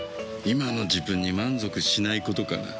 今の自分に満足しないことかな。